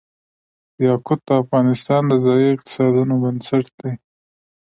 یاقوت د افغانستان د ځایي اقتصادونو بنسټ دی.